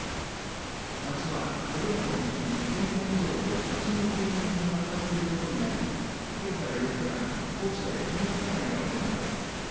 町は、これらの備品１０００点以上を町の住民に販売することになりきょうから４日間校舎で見学会が行われます。